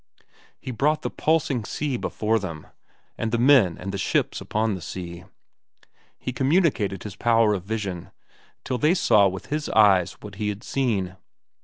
He brought the pulsing sea before them, and the men and the ships upon the sea. He communicated his power of vision, till they saw with his eyes what he had seen.